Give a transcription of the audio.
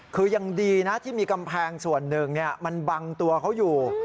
คือยังดีนะที่มีกำแพงส่วนหนึ่งมันบังตัวเขาอยู่